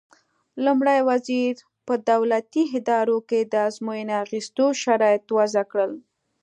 لومړي وزیر په دولتي ادارو کې د ازموینې اخیستو شرایط وضع کړل.